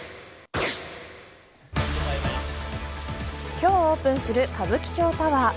今日オープンする歌舞伎町タワー。